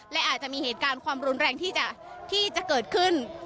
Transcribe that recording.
และอาจจะมีเหตุการณ์ความรุนแรงที่จะเกิดขึ้น